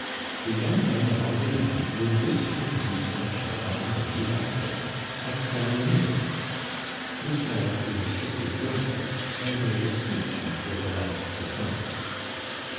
The young men of Angouleme were giving Lucien Chardon de Rubempre a serenade. Lucien went to his sister's window and made a speech after the last performance.